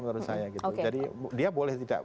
menurut saya gitu jadi dia boleh tidak